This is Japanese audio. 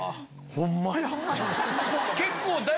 ホンマや！